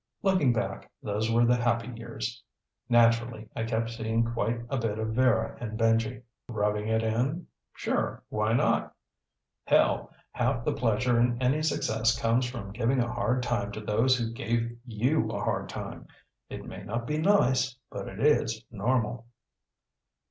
Looking back, those were the happy years. Naturally I kept seeing quite a bit of Vera and Benji. Rubbing it in? Sure, why not? Hell, half the pleasure in any success comes from giving a hard time to those who gave you a hard time. It may not be nice, but it is normal.